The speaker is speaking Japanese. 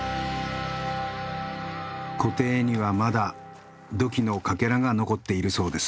湖底にはまだ土器のかけらが残っているそうです。